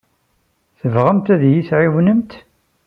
Tebɣamt ad iyi-tɛiwnemt?